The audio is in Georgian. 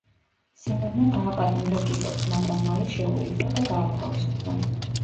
სიმონმა დააპატიმრა კიდეც, მაგრამ მალე შეურიგდა და გაათავისუფლა.